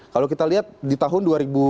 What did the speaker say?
kalau kita lihat di tahun dua ribu delapan belas